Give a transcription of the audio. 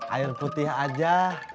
air putih aja